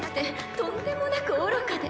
とんでもなく愚かで。